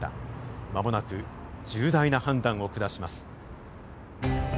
間もなく重大な判断を下します。